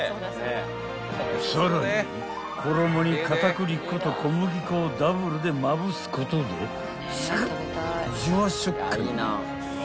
［さらに衣に片栗粉と小麦粉をダブルでまぶすことでサクッジュワッ食感に］